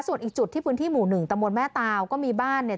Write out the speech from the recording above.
ส่วนอีกจุดที่พื้นที่หมู่หนึ่งตะมนต์แม่ตาวก็มีบ้านเนี่ย